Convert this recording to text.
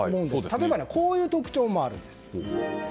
例えばこういう特徴もあるんです。